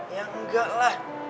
ya enggak lah